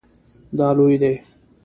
دا لوی دی